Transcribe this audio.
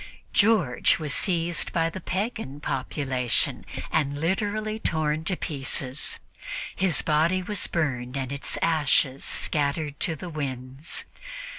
George was seized by the pagan population and literally torn to pieces; his body was burned and its ashes scattered to the winds.